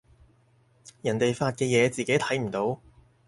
人哋發嘅嘢自己睇唔到